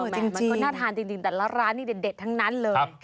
ดูทุกวันเนี่ยแต่ละร้านที่เด็ดทั้งนั้นเลย